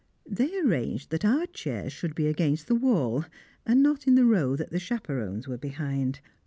They arranged that our chairs should be against the wall, and not in the row that the chaperons were behind.